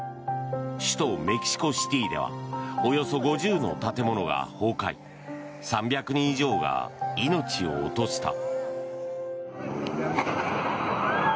首都メキシコシティではおよそ５０の建物が崩壊３００人以上が命を落とした。